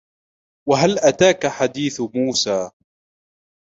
وَهَلْ أَتَاكَ حَدِيثُ مُوسَى